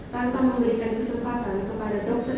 tanpa memberikan kesempatan kepada dokter